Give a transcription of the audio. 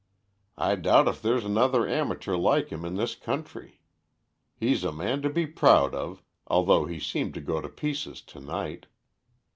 I doubt if there's another amateur like him in this country. He's a man to be proud of, although he seemed to go to pieces to night.